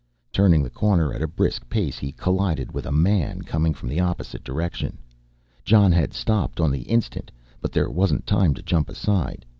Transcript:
_ Turning the corner at a brisk pace he collided with a man coming from the opposite direction. Jon had stopped on the instant, but there wasn't time to jump aside.